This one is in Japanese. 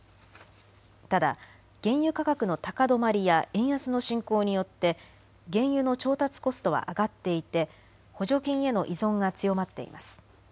ただ原油価格の高止まりや円安の進行によって原油の調達コストは上がっていて補助金への依存が強まっています。